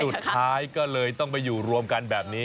สุดท้ายก็เลยต้องไปอยู่รวมกันแบบนี้